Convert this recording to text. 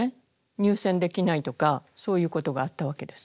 入選できないとかそういうことがあったわけです。